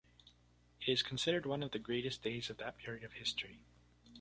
It is considered one of the greatest days of that period of history.